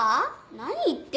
何言ってんの？